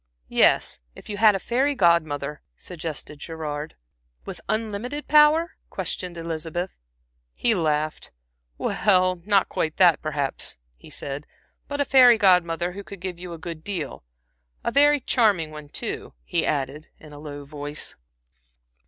"Yes, if you had a fairy Godmother," suggested Gerard. "With unlimited power?" questioned Elizabeth. He laughed. "Well, not quite that, perhaps," he said, "but a fairy Godmother who could give you a good deal. A very charming one, too," he added, in a low voice.